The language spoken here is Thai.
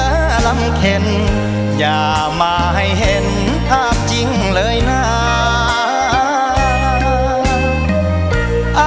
หลังเกลอลำเข็นอย่ามาให้เห็นภาพจริงเลยน้า